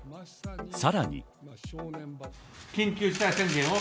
さらに。